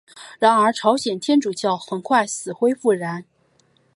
然而朝鲜天主教很快死灰复燃。